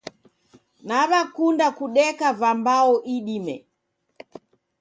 Nawekunda kudeka vambao idime